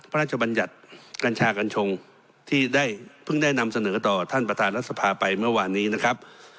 บรรยัติกัญชากัญชงที่ได้เพิ่งได้นำเสนอต่อท่านประธานรัฐสภาไปเมื่อวานนี้นะครับ